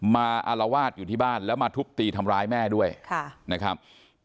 อารวาสอยู่ที่บ้านแล้วมาทุบตีทำร้ายแม่ด้วยนะครับ